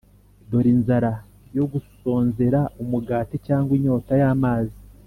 dore inzara yo gusonzera umugati, cyangwa inyota y’amazi,